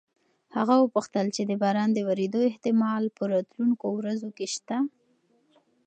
هغه وپوښتل چې د باران د ورېدو احتمال په راتلونکو ورځو کې شته؟